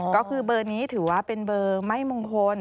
ก็คือเบอร์นี้ถือว่าเป็นเบอร์ไม่มงคล